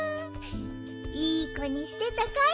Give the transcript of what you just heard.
いいこにしてたかい？